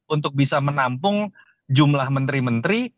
untuk bisa menampung jumlah menteri menteri